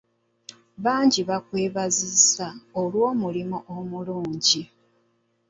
Bangi baakwebaziza olw'omulimu omulungi.